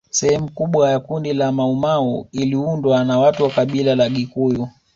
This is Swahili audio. Sehemu kubwa ya kundi la Maumau iliundwa na watu wa kabila la Gikuyu